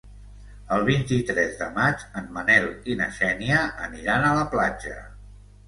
El vint-i-tres de maig en Manel i na Xènia aniran a la platja.